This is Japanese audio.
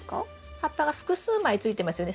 葉っぱが複数枚ついてますよね？